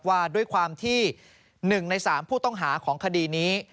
ว่าด้วยความที่๑ใน๓ผู้ต้องหาของคดีนี้